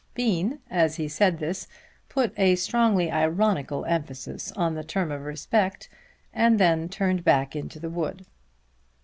Bean as he said this put a strongly ironical emphasis on the term of respect and then turned back into the wood.